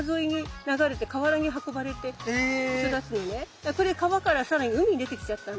だからこれ川から更に海に出てきちゃったんだ。